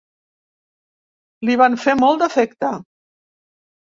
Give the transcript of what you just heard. Li van fer molt d'efecte.